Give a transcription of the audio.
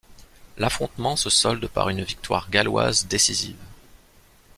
L'affrontement se solde par une victoire galloise décisive.